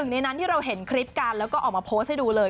ในนั้นที่เราเห็นคลิปกันแล้วก็ออกมาโพสต์ให้ดูเลย